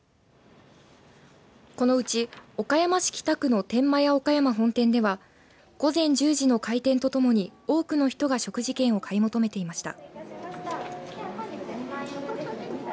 このうち岡山市北区の天満屋岡山本店では午前１０時の開店とともに多くの人が食事券を買い求めていました。